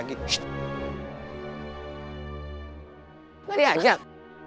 gak di ajak